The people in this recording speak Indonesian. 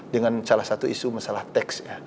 dengan salah satu isu masalah tax ya